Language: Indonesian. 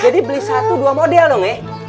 jadi beli satu dua model dong ya